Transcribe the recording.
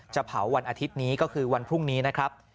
เผาวันอาทิตย์นี้ก็คือวันพรุ่งนี้นะครับ